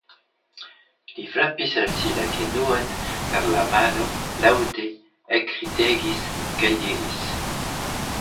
Li frapis al si la genuon per la mano, laŭte ekridegis kaj diris.